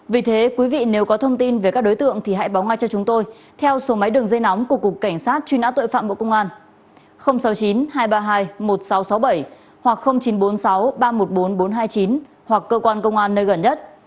vì thế quý vị nếu có thông tin về các đối tượng thì hãy báo ngay cho chúng tôi theo số máy đường dây nóng của cục cảnh sát truy nã tội phạm bộ công an sáu mươi chín hai trăm ba mươi hai một nghìn sáu trăm sáu mươi bảy hoặc chín trăm bốn mươi sáu ba trăm một mươi bốn bốn trăm hai mươi chín hoặc cơ quan công an nơi gần nhất